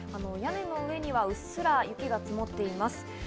屋根の上にはうっすら雪が積もっています